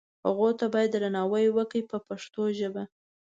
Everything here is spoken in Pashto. هغو ته باید درناوی وکړي په پښتو ژبه.